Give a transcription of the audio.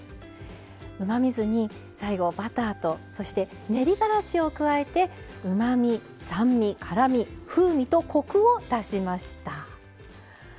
うまみ酢に最後バターとそして練りがらしを加えてうまみ酸味辛み風味とこくを足しました。